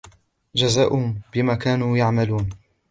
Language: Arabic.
جَزَاء بِمَا كَانُوا يَعْمَلُونَ